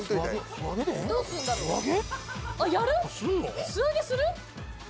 素揚げする？